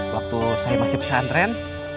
waktu saya masih pesantren